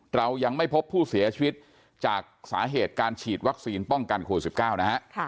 เรายังไม่พบผู้เสียชีวิตจากสาเหตุการฉีดวัคซีนป้องกันโควิด๑๙นะฮะ